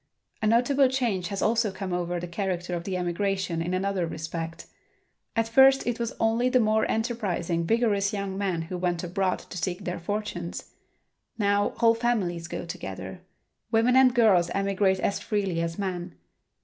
A notable change has also come over the character of the emigration in another respect. At first it was only the more enterprising, vigorous young men who went abroad to seek their fortunes. Now whole families go together. Women and girls emigrate as freely as men.